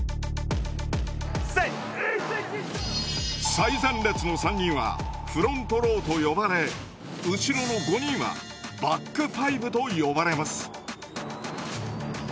最前列の３人はフロントローと呼ばれ後ろの５人はバックファイブと呼ばれます。